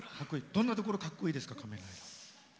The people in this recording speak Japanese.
どんなところかっこいいですか？